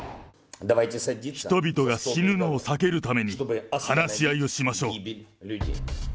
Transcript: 人々が死ぬのを避けるために、話し合いをしましょう。